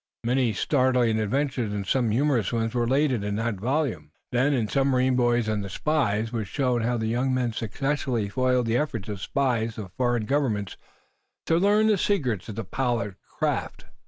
Many startling adventures, and some humorous ones, were related in that volume. Then in "The Submarine Boys and the Spies" was shown how the young men successfully foiled the efforts of spies of foreign governments to learn the secrets of the Pollard craft.